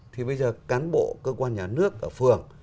thì bây giờ cán bộ cơ quan nhà nước ở phường